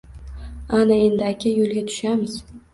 Ana, endi, aka, yo’lga tushamiz!”